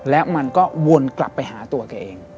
และมันก็วนกลับไปหาตัวแกเอง